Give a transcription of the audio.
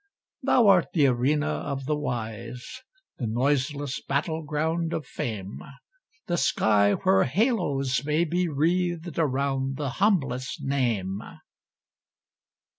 Thou art the arena of the wise, The noiseless battle ground of fame; The sky where halos may be wreathed Around the humblest name.